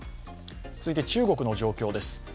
続いて中国の状況です。